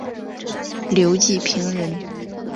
刘季平人。